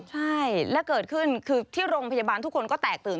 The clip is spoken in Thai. ใช่และเกิดขึ้นคือที่โรงพยาบาลทุกคนก็แตกตื่น